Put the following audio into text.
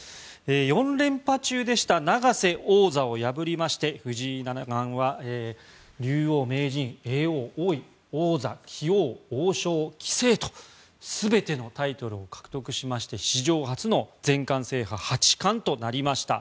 ４連覇中でした永瀬王座を破りまして藤井七冠は竜王、名人、王位、棋王王将、棋聖、叡王、王座と全てのタイトルを獲得しまして史上初の全冠制覇の八冠となりました。